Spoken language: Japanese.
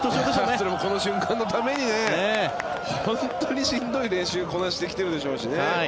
それもこの瞬間のために本当にしんどい練習をこなしてきているでしょうしね。